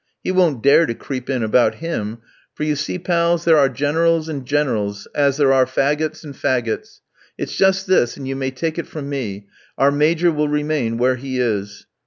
He won't dare to creep in about him, for you see, pals, there are Generals and Generals, as there are fagots and fagots. It's just this, and you may take it from me, our Major will remain where he is.